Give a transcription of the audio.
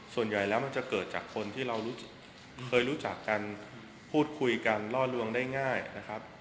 ส่วนใหญ่แล้วมันจะเกิดจากคนที่เราเคยรู้จักกันพูดคุยกันล่อลวงได้ง่ายนะครับ